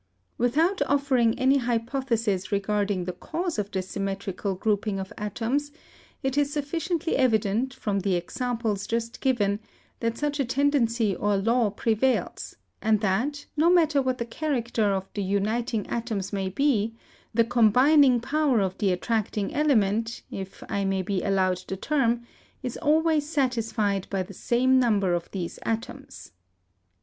Without offering any hy pothesis regarding the cause of this symmetrical group ing of atoms, it is sufficiently evident, from the examples just given, that such a tendency or law prevails, and that, no matter what the character of the uniting atoms may be, the combining power of the attracting element, if I may be 238 VALENCE 239 allowed the term, is always satisfied by the same number of these atoms."